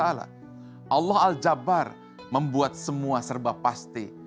allah al jabbar membuat semua serba pasti